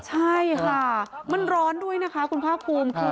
ใช่ค่ะมันร้อนด้วยนะคะคุณพระอภูมิ